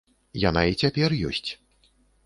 Яна і цяпер ёсць.